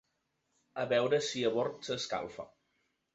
A veure si a bord s'escalfa...